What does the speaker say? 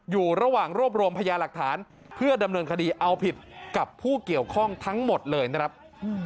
อยู่ระหว่างรวบรวมพยาหลักฐานเพื่อดำเนินคดีเอาผิดกับผู้เกี่ยวข้องทั้งหมดเลยนะครับ